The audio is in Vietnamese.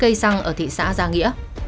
cây xăng ở thị xã gia nghĩa